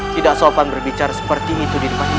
tidak sopan berbicara seperti itu di depan kita